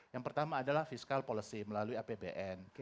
yang pertama adalah fiskal policy melalui apbn